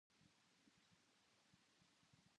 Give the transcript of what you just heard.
新潟